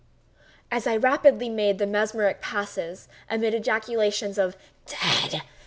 As I rapidly made the mesmeric passes, amid ejaculations of "dead!